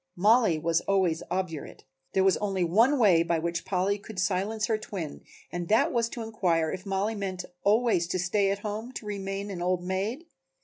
Mollie was always obdurate. There was only one way by which Polly could silence her twin and that was to inquire if Mollie meant always to stay at home, to remain an old maid?